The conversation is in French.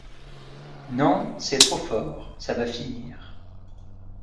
Non, c'est trop fort, ça va finir.